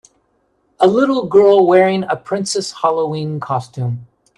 A little girl wearing a princess Halloween costume.